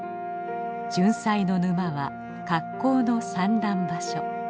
ジュンサイの沼は格好の産卵場所。